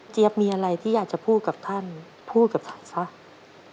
เจี๊ยบมีอะไรที่อยากจะพูดกับท่านพูดกับท่านสิครับ